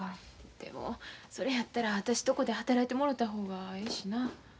でもそれやったら私とこで働いてもろた方がええしな。